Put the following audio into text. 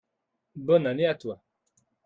bonne année à toi.